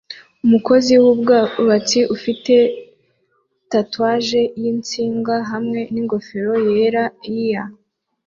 Umukozi wubwubatsi ufite tatuwaje y'insinga hamwe n'ingofero yera year